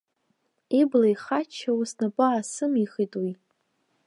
Ибла ихаччауа снапы аасымихит уи.